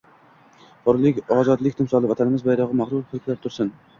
Hurlik, ozodlik timsoli – Vatanimiz bayrog‘i mag‘rur hilpirab tursin